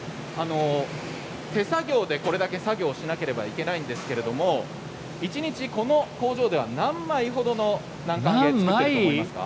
手作業でこれだけ作業しなければいけないんですけれど一日、この工場では何枚程の南関あげができると思いますか？